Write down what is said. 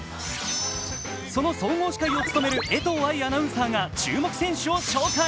その総合司会を務める江藤愛アナウンサーが注目選手を紹介。